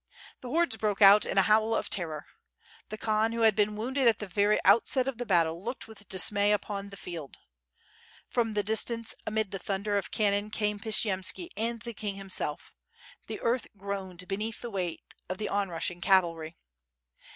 The hordes broke out in a howl of terror. The Khan, who had been wounded at the very out WITH FIRE AND SWORD. giy set of the battle, looked with dismay upon the field. From the distance amid the thunder of cannon came Pshiyemski and the king himself; the earth groaned beneath the weight of the onrushing cavalry.